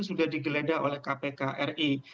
sudah digeledah oleh kpk ri